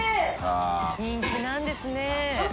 人気なんですね。